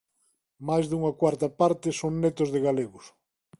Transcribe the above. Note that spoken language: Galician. Máis dunha cuarta parte son netos de galegos.